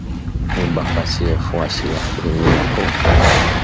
Mu ba pachiye fwashi ya kurimiya po